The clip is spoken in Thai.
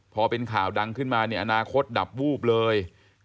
พอเป็นข่าวดังขึ้นมาเนี่ยอนาคตดับวูบเลย